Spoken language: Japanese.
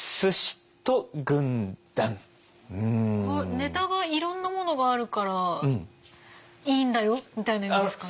ネタがいろんなものがあるからいいんだよみたいな意味ですかね。